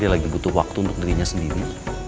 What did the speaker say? dia lagi butuh waktu untuk dirinya sendiri